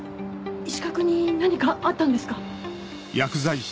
石川君に何かあったんですか？